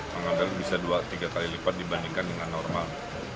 pengadaan bisa dua tiga kali lipat dibandingkan dengan normal